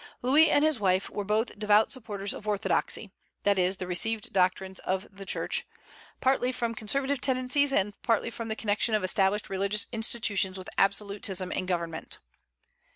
Louis and his wife were both devout supporters of orthodoxy, that is, the received doctrines of the Church, partly from conservative tendencies, and partly from the connection of established religious institutions with absolutism in government.